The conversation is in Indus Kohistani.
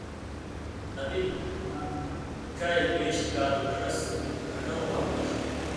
نبی علیہ السلام اَئے ڇَئے بِیش کالوں ݜس کَھٹَوں وَخ مَز